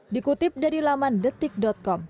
dikutip dari laman detik com